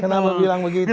kenapa bilang begitu